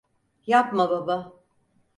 Yapma baba!